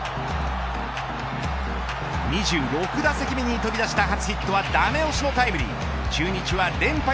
２６打席目に飛び出した初ヒットはダメ押しのタイムリー中日は連敗